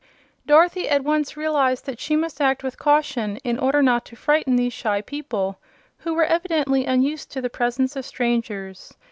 Dorothy at once realized that she must act with caution in order not to frighten these shy people, who were evidently unused to the presence of strangers.